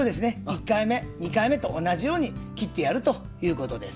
１回目２回目と同じように切ってやるということです。